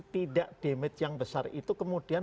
tidak damage yang besar itu kemudian